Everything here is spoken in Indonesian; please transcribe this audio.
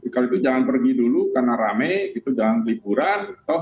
kalau itu jangan pergi dulu karena rame jangan pelipuran